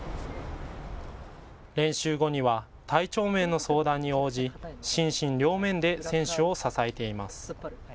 練習後には体調面の相談に応じ、心身両面で選手を支えています。